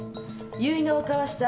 結納を交わした。